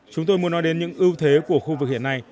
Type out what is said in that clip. chúng tôi muốn nói đến những ưu thế của khu vực hiện nay